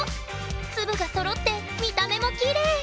粒がそろって見た目もきれい！